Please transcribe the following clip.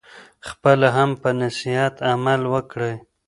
خپله هم په نصیحت عمل وکړئ.